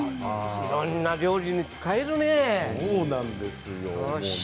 いろいろな料理に使えるね。